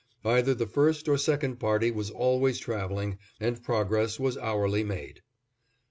Either the first or second party was always traveling, and progress was hourly made.